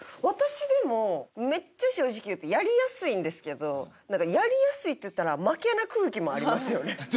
私でもめっちゃ正直言うとやりやすいんですけどなんかやりやすいって言ったら負けな空気もありますよね。